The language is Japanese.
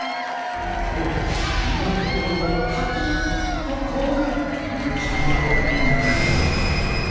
きょうふみもこころもカキンとこおるゆきやまのやかた。